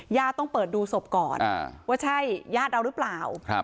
ต้องเปิดดูศพก่อนว่าใช่ญาติเราหรือเปล่า